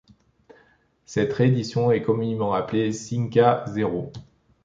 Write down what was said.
Cette réédition est communément appelée Sinkha Zero.